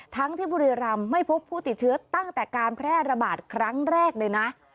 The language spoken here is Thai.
ทั้งที่บุรีรำไม่พบผู้ติดเชื้อตั้งแต่การแพร่ระบาดครั้งแรกเลยนะ